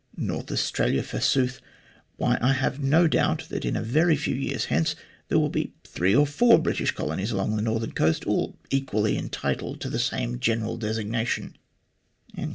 "North Australia, forsooth ! Why, I have no doubt that in a very few years hence there will be three or four British colonies along the northern coast, all equally entitled to the same general designation."